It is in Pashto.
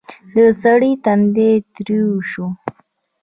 د سړي تندی تريو شو: